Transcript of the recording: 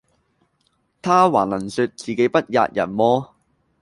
他還能説自己不喫人麼？